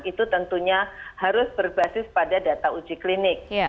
itu tentunya harus berbasis pada data uji klinik